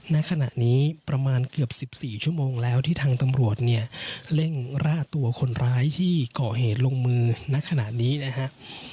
ณขณะนี้ประมาณเกือบ๑๔ชั่วโมงแล้วที่ทางตำรวจเนี่ยเร่งร่าตัวคนร้ายที่ก่อเหตุลงมือณขณะนี้นะฮะ